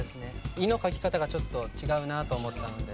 「イ」の書き方がちょっと違うなと思ったので。